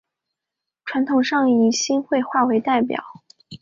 传统上以新会话为代表。